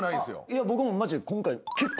いや僕もマジで今回。